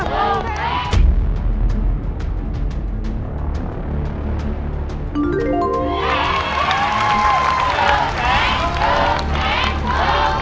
สุดแรงสุดแรงสุดแรงสุดแรง